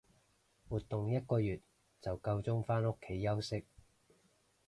活動一個月就夠鐘返屋企休息